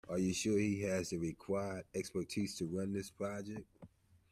Are you sure he has the required expertise to run this project?